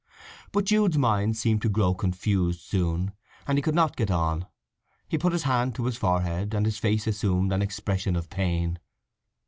But Jude's mind seemed to grow confused soon, and he could not get on. He put his hand to his forehead, and his face assumed an expression of pain.